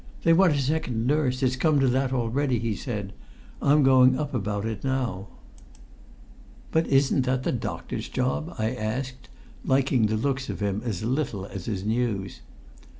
"They want a second nurse! It's come to that already," he said, "and I'm going up about it now." "But isn't that the doctor's job?" I asked, liking the looks of him as little as his news.